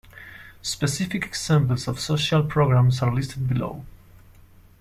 Specific examples of social programs are listed below.